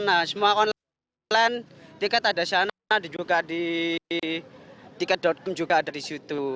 nah semua online tiket ada sana dibuka di tiket com juga ada di situ